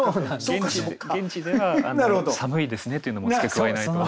現地では「寒いですね」っていうのも付け加えないと。